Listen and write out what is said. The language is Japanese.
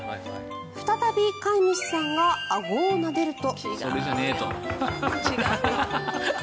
再び飼い主さんがあごをなでると。